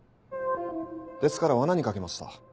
ですから罠にかけました。